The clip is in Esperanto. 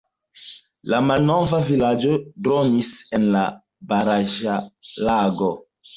La malnova vilaĝo dronis en la baraĵlago.